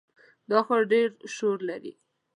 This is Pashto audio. دا ښار ډېر شور لري.